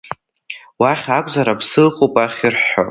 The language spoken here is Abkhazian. Уахь акәзар аԥсы ыҟоуп ахьырҳәо?